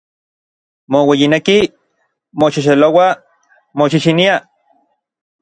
Moueyinekij, moxexelouaj, moxixiniaj.